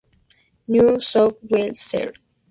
New South Wales, ser.